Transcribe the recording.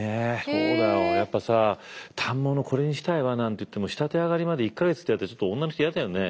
そうだよやっぱさ「反物これにしたいわ」なんて言っても仕立て上がりまで１か月と言われるとちょっと女の人嫌だよね？